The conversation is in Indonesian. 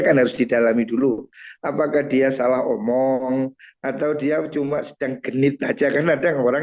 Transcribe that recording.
kan harus didalami dulu apakah dia salah omong atau dia cuma sedang genit aja karena ada orang